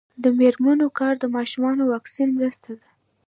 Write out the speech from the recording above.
د میرمنو کار د ماشومانو واکسین مرسته ده.